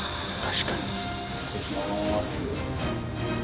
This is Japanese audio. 失礼します。